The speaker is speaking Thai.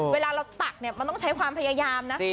เวลาเราตักเนี่ยมันต้องใช้ความพยายามนะ